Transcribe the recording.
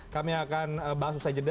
kami akan bahas usai jeda